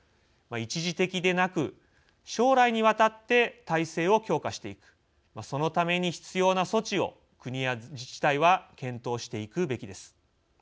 一時的でなく将来にわたって体制を強化していくそのために必要な措置を国や自治体は検討していくべきです。